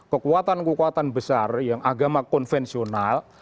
kekuatan kekuatan besar yang agama konvensional